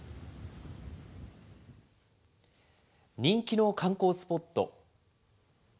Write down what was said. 人気の観光スポット。